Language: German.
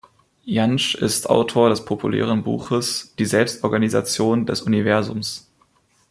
Jantsch ist Autor des populären Buches "Die Selbstorganisation des Universums".